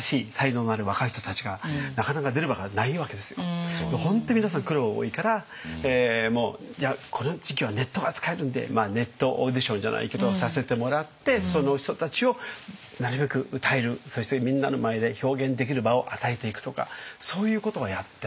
なかなかこの本当皆さん苦労多いからこの時期はネットが使えるんでネットオーディションじゃないけどさせてもらってその人たちをなるべく歌えるそしてみんなの前で表現できる場を与えていくとかそういうことはやってますね。